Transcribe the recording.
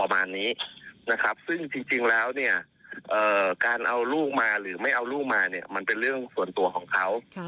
มันเป็นเรื่องส่วนตัวของเขา